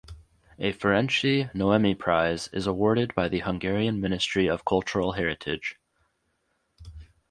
A Ferenczy Noemi Prize is awarded by the Hungarian Ministry of Cultural Heritage.